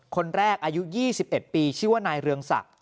คนแรกอายุ๒๑ปีชื่อว่านายเรืองศักดิ์